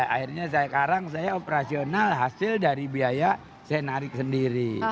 akhirnya sekarang saya operasional hasil dari biaya saya narik sendiri